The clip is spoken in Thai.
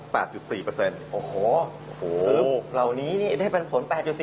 อ๋อหรือเหล่านี้ได้ปันผล๘๔